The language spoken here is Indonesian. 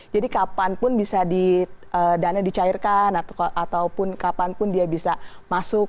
jadi kapanpun bisa dana dicairkan ataupun kapanpun dia bisa masuk